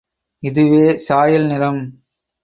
இதுவே சாயல் நிறம்.